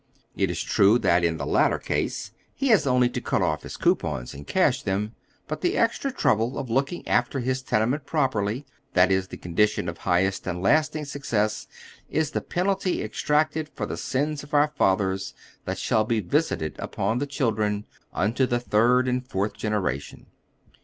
It is true that in the latter case he has only to cut off his coupons and cash them. But the extra trouble of looking after his tene ment property, that is the condition of his highest and lasting success, is the penalty exacted for the sins of our fathers that " shall be visited upon the children, unto the third and fourth generation."